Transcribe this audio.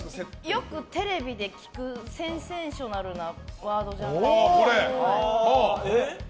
よくテレビで聞くセンセーショナルなワードじゃない？